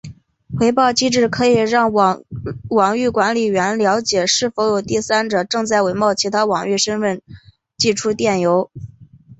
回报机制可以让网域管理员了解是否有第三者正在伪冒其网域身份寄出电邮。